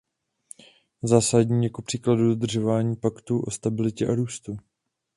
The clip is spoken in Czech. Zásadní je kupříkladu dodržování Paktu o stabilitě a růstu.